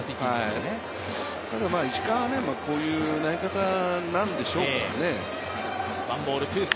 ただ、石川はこういう投げ方なんでしょうからね。